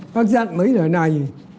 bác dạy mấy lời này